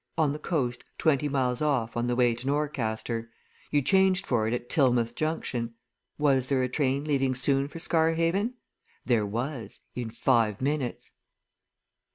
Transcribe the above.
On the coast, twenty miles off, on the way to Norcaster; you changed for it at Tilmouth Junction. Was there a train leaving soon for Scarhaven? There was in five minutes.